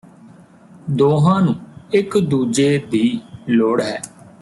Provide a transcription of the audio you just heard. ਦੋਹਾਂ ਨੂੰ ਇਕ ਦੂਜੇ ਦੀ ਲੋੜ ਹੈ